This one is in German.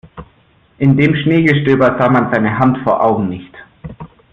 In dem Schneegestöber sah man seine Hand vor Augen nicht.